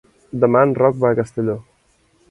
Demà en Roc va a Castelló.